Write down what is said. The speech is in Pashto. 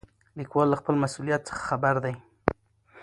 لیکوال له خپل مسؤلیت څخه خبر دی.